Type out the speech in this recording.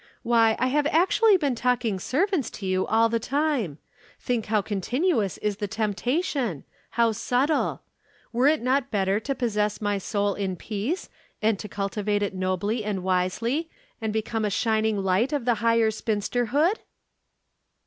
Why, I have actually been talking servants to you all the time. Think how continuous is the temptation, how subtle. Were it not better to possess my soul in peace and to cultivate it nobly and wisely and become a shining light of the higher spinsterhood?"